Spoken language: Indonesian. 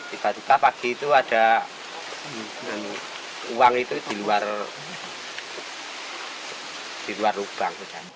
tiba tiba pagi itu ada uang itu di luar lubang